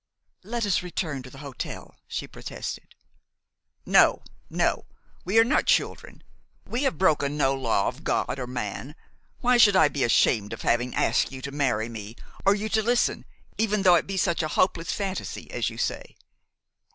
"Let us return to the hotel," she protested. "No, no. We are not children. We have broken no law of God or man. Why should I be ashamed of having asked you to marry me, or you to listen, even though it be such a hopeless fantasy as you say?"